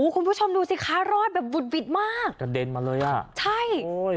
คุณผู้ชมดูสิคะรอดแบบบุดหวิดมากกระเด็นมาเลยอ่ะใช่โอ้ย